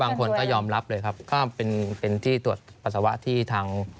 บางคนก็ยอมรับเลยครับก็เป็นเป็นที่ตรวจปัสสาวะที่ทาง